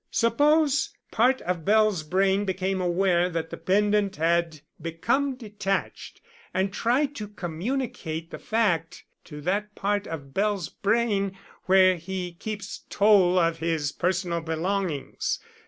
Suppose part of Bell's brain became aware that the pendant had become detached and tried to communicate the fact to that part of Bell's brain where he keeps toll of his personal belongings.